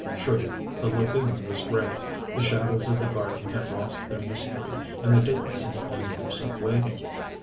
True, the lagoon was gray, the shadows of the garden had lost their mystery, and there didn't seem any use of waiting.